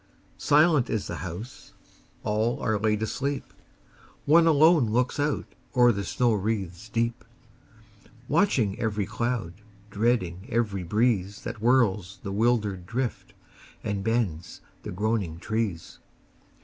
Silent is the house: all are laid asleep: One alone looks out o'er the snow wreaths deep, Watching every cloud, dreading every breeze That whirls the wildering drift, and bends the groaning trees.